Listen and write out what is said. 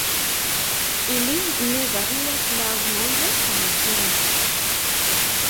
Ili ne varias laŭ nombro kaj genro.